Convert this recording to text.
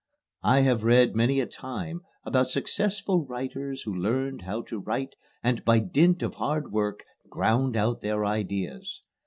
I have read many a time about successful writers who learned how to write, and by dint of hard work ground out their ideas.